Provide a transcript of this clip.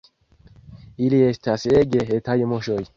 Ili estas ege etaj muŝoj.